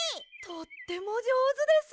とってもじょうずです。